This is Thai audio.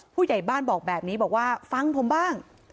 ผู้ใหญ่บ้านบอกแบบนี้บอกว่าฟังผมบ้าง